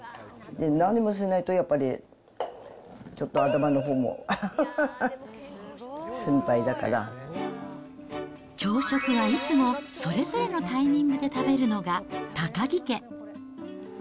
何もしないとやっぱり、朝食はいつも、それぞれのタイミングで食べるのが高城家。